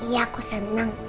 iya aku senang